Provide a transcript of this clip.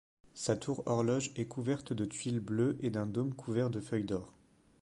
Sa tour-horloge est couverte de tuiles bleues et d'un dôme couvert de feuilles d'or.